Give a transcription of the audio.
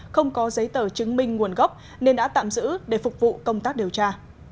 không có giấy tờ chứng minh nguồn gốc nên đã tạm giữ để phục vụ công tác điều tra